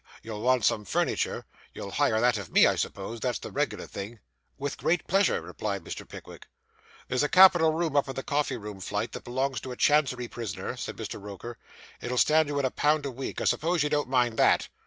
You'll want some furniture. You'll hire that of me, I suppose? That's the reg'lar thing.' 'With great pleasure,' replied Mr. Pickwick. 'There's a capital room up in the coffee room flight, that belongs to a Chancery prisoner,' said Mr. Roker. 'It'll stand you in a pound a week. I suppose you don't mind that?